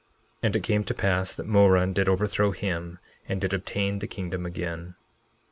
11:16 And it came to pass that Moron did overthrow him, and did obtain the kingdom again.